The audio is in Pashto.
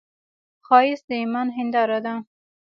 ښایست د ایمان هنداره ده